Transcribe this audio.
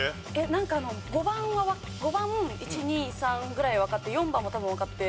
なんか５番は５番１２３ぐらいわかって４番も多分わかって。